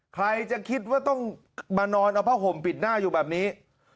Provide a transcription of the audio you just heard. ใครจะคิดว่าต้องมานอนเอาผ้าห่มปิดหน้าอยู่แบบนี้